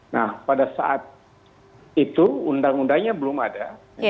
nah pada saat itu undang undangnya belum ada